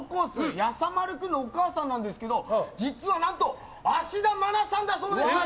やさまる君のお母さんなんですけど実は何と芦田愛菜さんだそうです。